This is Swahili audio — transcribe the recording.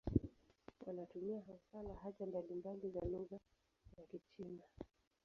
Wanatumia hasa lahaja mbalimbali za lugha ya Kichina.